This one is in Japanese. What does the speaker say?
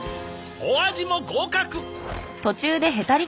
お味も合格！